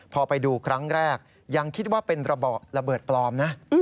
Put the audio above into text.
พอไปดูครั้งแรกยังคิดว่าเป็นระเบิดระเบิดปลอมนะ